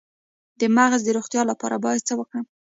د مغز د روغتیا لپاره باید څه وکړم؟